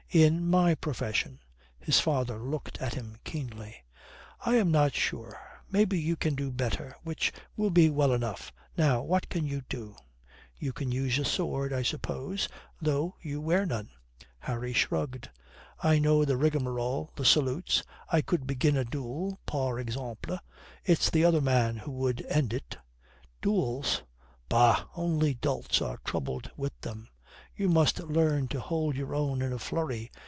"In my profession " His father looked at him keenly. "I am not sure. Maybe you can do better, which will be well enough. Now, what can you do? You can use a sword, I suppose, though you wear none?" Harry shrugged. "I know the rigmarole, the salutes; I could begin a duel, par exemple. It's the other man who would end it." "Duels bah, only dolts are troubled with them. You must learn to hold your own in a flurry.